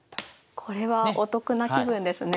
これはお得な気分ですね。